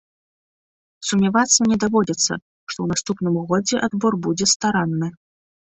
Сумнявацца не даводзіцца, што ў наступным годзе адбор будзе старанны.